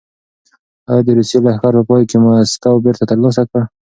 ایا د روسیې لښکر په پای کې مسکو بېرته ترلاسه کړ؟